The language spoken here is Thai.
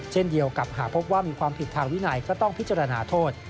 เช่นเดียวกับหากพบว่ามีความผิดทางวินัยก็ต้องพิจารณาโทษ